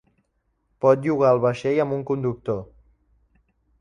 Pot llogar el vaixell amb un conductor.